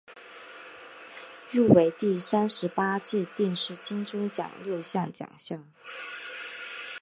入围第三十八届电视金钟奖六项奖项。